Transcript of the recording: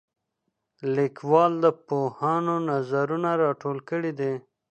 لیکوال د پوهانو نظرونه راټول کړي دي.